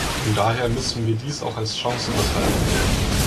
Von daher müssen wir dies auch als Chance begreifen.